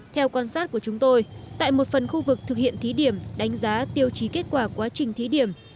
theo quan sát của chúng tôi tại một phần khu vực thực hiện thí điểm đánh giá tiêu chí kết quả quá trình thí điểm